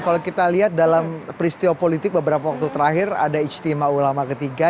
kalau kita lihat dalam peristiwa politik beberapa waktu terakhir ada ijtima ulama ketiga